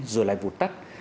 rồi lại vụt tắt